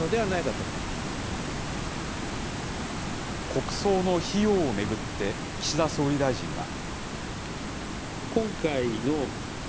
国葬の費用を巡って、岸田総理大臣は。